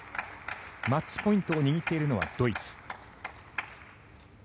マッチポイントを握っているのはドイツ。